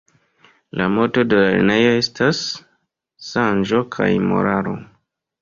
La moto de la lernejo estas "Saĝo kaj Moralo"